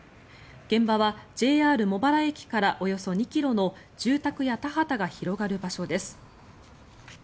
現場はＪＲ茂原駅からおよそ２ｋｍの住宅や田畑が広がる場所です。